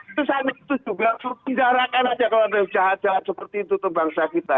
itu sawit itu juga tinggalkan aja kalau ada jahat jahat seperti itu untuk bangsa kita